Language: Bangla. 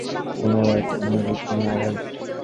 কম্যুন্যাল রায়টের মধ্যে আমি যেতে নারাজ।